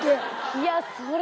いやそれは。